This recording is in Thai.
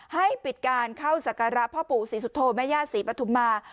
ให้ปิดการเข้าสักการะพ่อปู่ศรีสุโธแม่ย่าศรีปฐุมา